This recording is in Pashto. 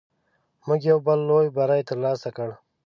موږ یو بل لوی بری تر لاسه کړ.